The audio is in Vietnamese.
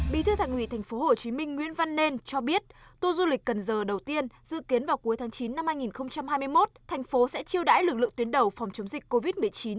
bí thư thành ủy tp hcm nguyễn văn nên cho biết tour du lịch cần giờ đầu tiên dự kiến vào cuối tháng chín năm hai nghìn hai mươi một thành phố sẽ chiêu đãi lực lượng tuyến đầu phòng chống dịch covid một mươi chín